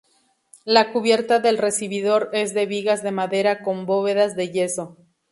La cubierta del recibidor es de vigas de madera con bóvedas de yeso.